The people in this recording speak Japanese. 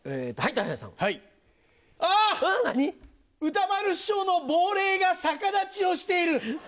歌丸師匠の亡霊が逆立ちをしている！